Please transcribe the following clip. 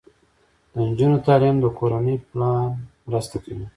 د نجونو تعلیم د کورنۍ پلان مرسته کوي.